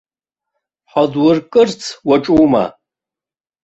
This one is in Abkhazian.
Ҳадуркырц уаҿума?